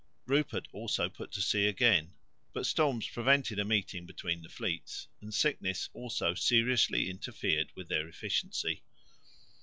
Rupert also put to sea again, but storms prevented a meeting between the fleets and sickness also seriously interfered with their efficiency.